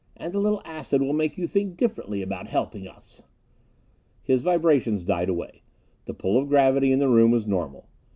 And a little acid will make you think differently about helping us...." His vibrations died away. The pull of gravity in the room was normal.